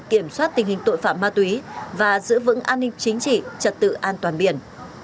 kiểm soát tình hình tội phạm ma túy và giữ vững an ninh chính trị trật tự an toàn biển